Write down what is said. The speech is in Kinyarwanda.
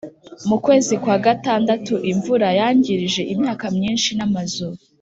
Mukwezi kwa gatandatu imvura yangirije imyaka myinshi n’amazu